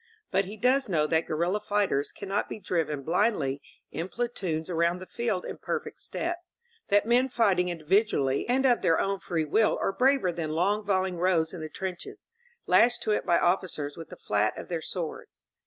But he does know that guerrilla fighters cannot be driven blindly in platoons aroimd the field in perfect step, that men fighting individually and of their own free will are braver than long volleying rows in the trenches, lashed to it by officers with the flat of their swords.